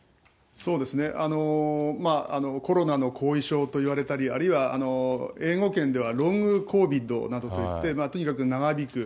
そうですね、コロナの後遺症といわれたり、あるいは英語圏では、ロングコービッドなどといわれて、とにかく長引く。